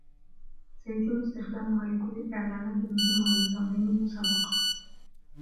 سيتم استخدامها لكل الاعلانات المهمة و لتنظيم المسابقة.